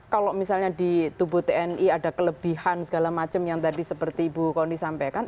kalau misalnya di tubuh tni ada kelebihan segala macam yang tadi seperti ibu kondi sampaikan